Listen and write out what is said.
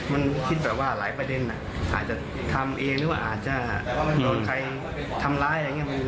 มันคิดเหล่าว่าการการประเด็นนะ